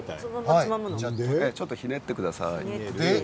ちょっとひねってください。